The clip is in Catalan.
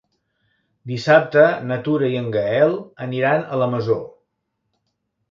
Dissabte na Tura i en Gaël aniran a la Masó.